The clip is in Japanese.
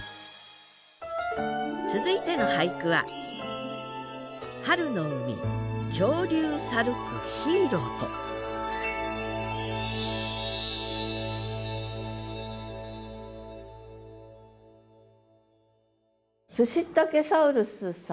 続いての俳句はプシッタケサウルスさん？